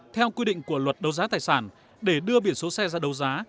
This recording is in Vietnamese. theo quy định của luật đấu giá tài sản để đưa biển số xe ra đấu giá